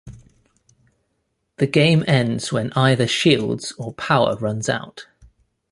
The game ends when either shields or power runs out.